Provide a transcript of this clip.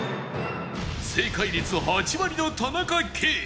正解率８割の田中圭